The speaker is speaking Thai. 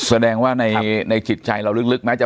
สวัสดีครับทุกผู้ชม